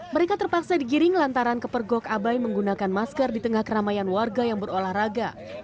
mereka terpaksa digiring lantaran kepergok abai menggunakan masker di tengah keramaian warga yang berolahraga